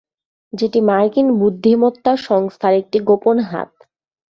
যেটি মার্কিন বুদ্ধিমত্তা সংস্থার একটি গোপন হাত।